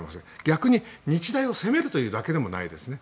逆に日大を責めるだけでもないですね。